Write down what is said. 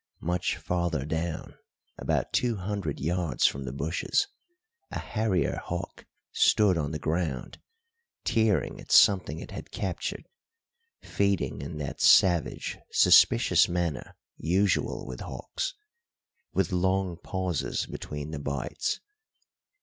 Much farther down, about two hundred yards from the bushes, a harrier hawk stood on the ground, tearing at something it had captured, feeding in that savage, suspicious manner usual with hawks, with long pauses between the bites.